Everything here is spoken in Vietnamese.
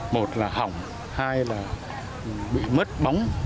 một là hỏng hai là bị mất bóng